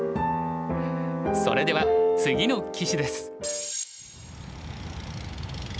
それでは次の棋士です。